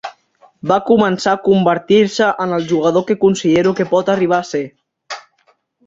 Va començar a convertir-se en el jugador que considero que pot arribar a ser.